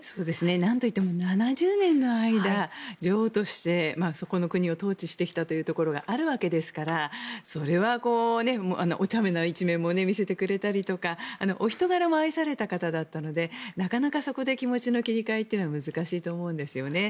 なんと言っても７０年の間、女王としてそこの国を統治してきたということがあるわけですからそれはおちゃめな一面も見せてくれたりとかお人柄も愛された方だったのでなかなかそこで気持ちの切り替えというのは難しいと思うんですよね。